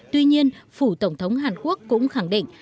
tuy nhiên phủ tổng thống hàn quốc cũng khẳng định